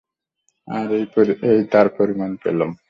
আর এই তার পরিমাণ পেলাম।